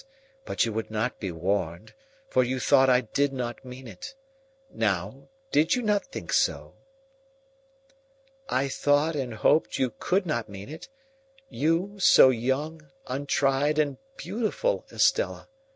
But you would not be warned, for you thought I did not mean it. Now, did you not think so?" "I thought and hoped you could not mean it. You, so young, untried, and beautiful, Estella!